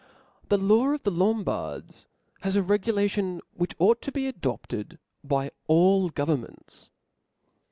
I. The law of the Lombards (0 has a regulation Tit. 3». ^hich ought to be adopted by all governments.